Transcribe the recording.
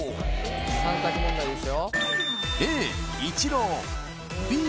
３択問題ですよ